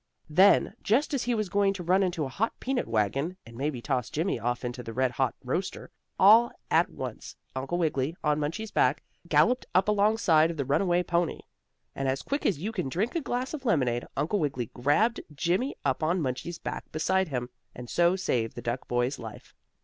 Then, just as he was going to run into a hot peanut wagon, and maybe toss Jimmie off into the red hot roaster, all at once Uncle Wiggily, on Munchie's back, galloped up alongside of the runaway pony. And as quick as you can drink a glass of lemonade, Uncle Wiggily grabbed Jimmie up on Munchie's back beside him, and so saved the duck boy's life.